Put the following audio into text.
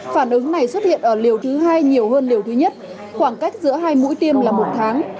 phản ứng này xuất hiện ở liều thứ hai nhiều hơn liều thứ nhất khoảng cách giữa hai mũi tiêm là một tháng